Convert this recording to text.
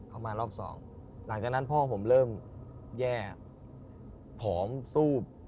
มารอบสองหลังจากนั้นพ่อผมเริ่มแย่ผอมซูบ